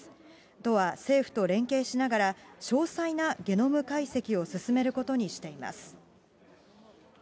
都は政府と連携しながら、詳細なゲノム解析を進めることにしています。